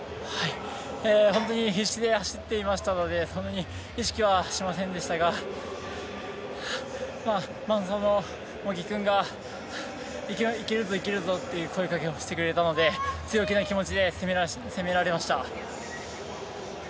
本当に必死で走っていましたのでそんなに意識はしませんでしたが茂木君がいけるぞ、いけるぞって声かけをしてくれたので強気の気持ちで攻められました。